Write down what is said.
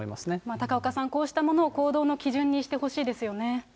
高岡さん、こうしたものを行動の基準にしてほしいですよね。